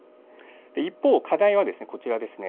一方課題はですねこちらですね